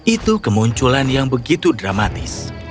itu kemunculan yang begitu dramatis